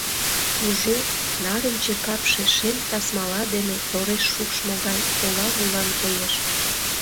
Кужу, нарынче капше шем тасмала дене тореш шупшмо гай ола-вулан коеш.